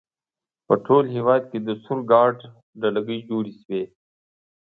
په ټول هېواد کې د سور ګارډ ډلګۍ جوړې شوې.